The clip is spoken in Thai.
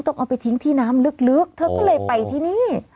ต้องเอาไปทิ้งที่น้ำลึกเธอก็เลยไปที่นี่